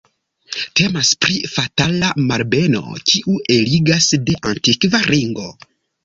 Temas pri fatala malbeno kiu eligas de antikva ringo.